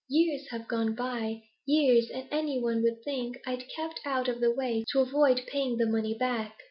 Years have gone by, years, and any one would think I'd kept out of the way to avoid paying the money back.